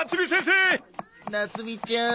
なつみちゃーん。